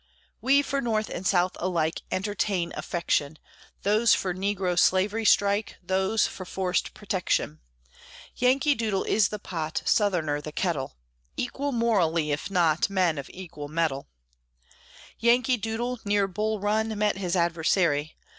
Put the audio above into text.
We for North and South alike Entertain affection; These for negro slavery strike; Those for forced protection. Yankee Doodle is the pot, Southerner the kettle; Equal morally, if not Men of equal mettle. Yankee Doodle, near Bull Run, Met his adversary.